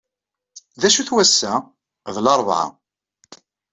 D acu-t wass-a? D laṛebɛa.